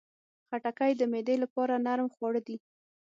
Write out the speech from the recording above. خټکی د معدې لپاره نرم خواړه دي.